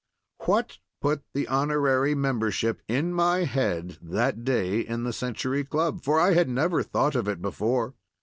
What put the honorary membership in my head that day in the Century Club? for I had never thought of it before.